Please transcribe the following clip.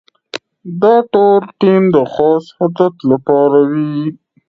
دا ډول ټیم د خاص هدف لپاره وي.